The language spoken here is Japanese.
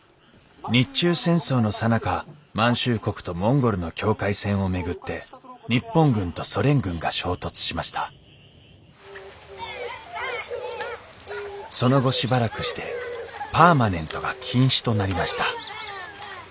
日中戦争のさなか満州国とモンゴルの境界線を巡って日本軍とソ連軍が衝突しましたその後しばらくしてパーマネントが禁止となりました